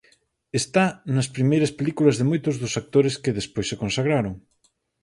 Está nas primeiras películas de moitos dos actores que despois se consagraron.